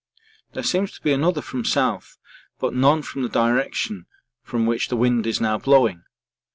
There seems to be another from south but none from the direction from which the wind is now blowing.